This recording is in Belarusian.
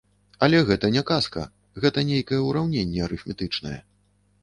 Але гэта не казка, гэта нейкае ўраўненне арыфметычнае.